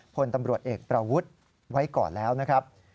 พลตำรวจเอกประวุฒิไว้ก่อนแล้วนะครับ